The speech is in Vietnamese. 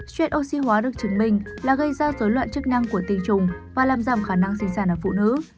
chuyện oxy hóa được chứng minh là gây ra dối loạn chức năng của tinh trùng và làm giảm khả năng sinh sản ở phụ nữ